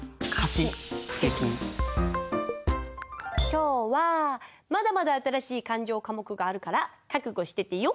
今日はまだまだ新しい勘定科目があるから覚悟しててよ！